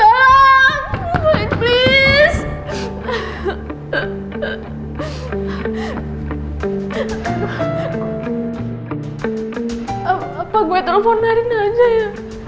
apa gue telepon narin aja ya